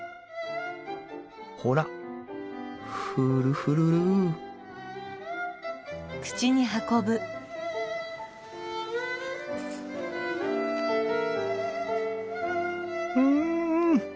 ほらフルフルルうん！